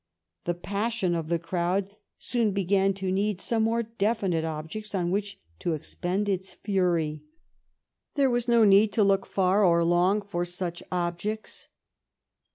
The passion of the crowd soon began to need some more definite objects on which to expend its fury. There was no need to look far or long for such objects.